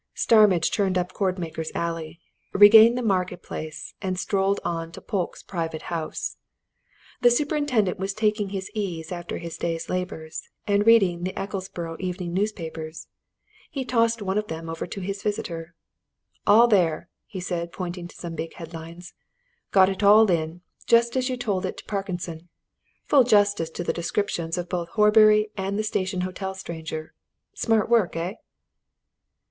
Starmidge turned up Cordmaker's Alley, regained the Market Place, and strolled on to Polke's private house. The superintendent was taking his ease after his day's labours and reading the Ecclesborough evening newspapers: he tossed one of them over to his visitor. "All there!" he said, pointing to some big headlines. "Got it all in, just as you told it to Parkinson. Full justice to the descriptions of both Horbury and the Station Hotel stranger. Smart work, eh?"